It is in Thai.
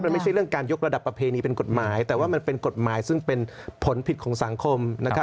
มันไม่ใช่เรื่องการยกระดับประเพณีเป็นกฎหมายแต่ว่ามันเป็นกฎหมายซึ่งเป็นผลผิดของสังคม